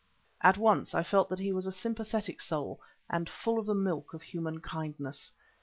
At once I felt that he was a sympathetic soul and full of the milk of human kindness.